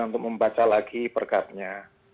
untuk membaca lagi perkapnya